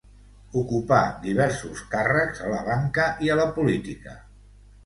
Ocupà diversos càrrecs a la banca i a la política.